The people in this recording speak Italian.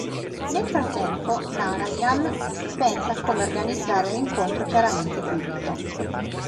Nel frattempo, Narayan pensa a come organizzare un incontro chiaramente proibito.